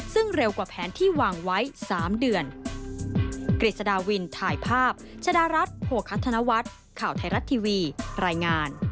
ซึ่งเร็วกว่าแผนที่วางไว้๓เดือน